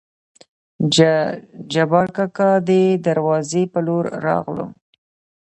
جبارکاکا دې دروازې په لور راغلو.